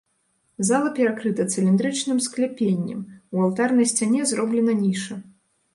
Зала перакрыта цыліндрычным скляпеннем, у алтарнай сцяне зроблена ніша.